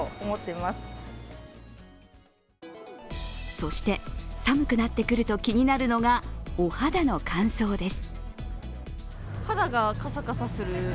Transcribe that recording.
そして寒くなってくると気になるのが、お肌の乾燥です。